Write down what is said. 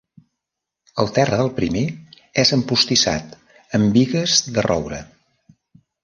El terra del primer és empostissat amb bigues de roure.